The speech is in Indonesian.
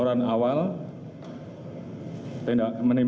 di mana pada saat pendalaman dan olah tkp